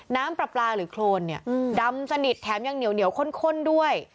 น้ำปราปราหรือโครนเนี่ยอืมดำสนิทแถมยังเหนียวเหนียวข้นข้นด้วย